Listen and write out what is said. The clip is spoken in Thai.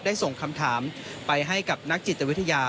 ส่งคำถามไปให้กับนักจิตวิทยา